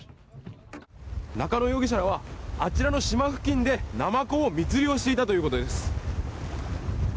中野容疑者はあちらの島付近でナマコを密漁していたということです。